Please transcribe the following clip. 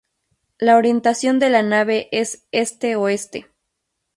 La orientación de la nave es este-oeste.